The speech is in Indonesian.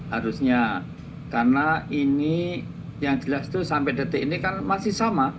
harusnya karena ini yang jelas itu sampai detik ini kan masih sama